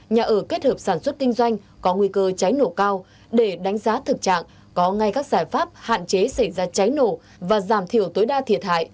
nhà ở kết hợp sản xuất kinh doanh có nguy cơ cháy nổ cao để đánh giá thực trạng có ngay các giải pháp hạn chế xảy ra cháy nổ và giảm thiểu tối đa thiệt hại